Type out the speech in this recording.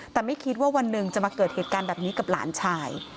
แต่ไม่คิดว่าวันหนึ่งจะมาเกิดเหตุการณ์แบบนี้กับหลานชาย